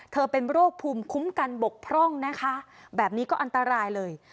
เป็นโรคภูมิคุ้มกันบกพร่องนะคะแบบนี้ก็อันตรายเลย